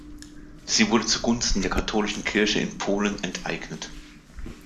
Sie wurde zugunsten der katholischen Kirche in Polen enteignet.